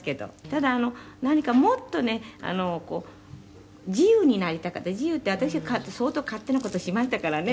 「ただあの何かもっとね自由になりたかった」「自由って私は相当勝手な事をしましたからね」